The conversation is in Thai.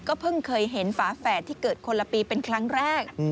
เพิ่งเคยเห็นฝาแฝดที่เกิดคนละปีเป็นครั้งแรก